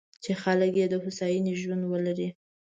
چې خلک یې د هوساینې ژوند ولري.